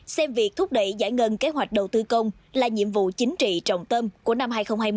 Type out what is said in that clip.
xem việc thúc đẩy giải ngân kế hoạch đầu tư công là nhiệm vụ chính trị trọng tâm của năm hai nghìn hai mươi